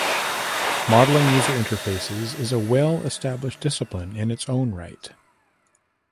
Modeling user interfaces is a well-established discipline in its own right.